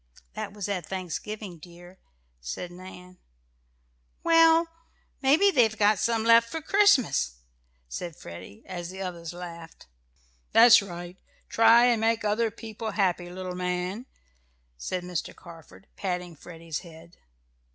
"That was at Thanksgiving, dear," said Nan. "Well, maybe they've got some left for Christmas," said Freddie, as the others laughed. "That's right try and make other people happy, little man," said Mr. Carford, patting Freddie's head.